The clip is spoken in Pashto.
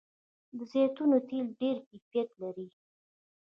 د زیتون تېل ډیر کیفیت لري.